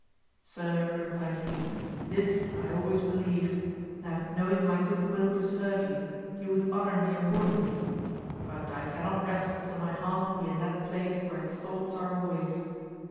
Sir, replied he, this I always believed, that knowing my good will to serve you, you would honour me accordingly, but I cannot rest till my heart be in that place where its thoughts are always.